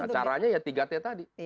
caranya ya tiga t tadi